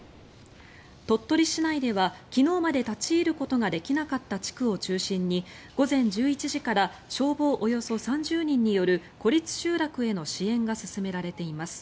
鳥取市内では昨日まで立ち入ることができなかった地区を中心に午前１１時から消防およそ３０人による孤立集落への支援が進められています。